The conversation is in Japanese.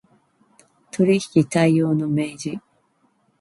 取引態様の明示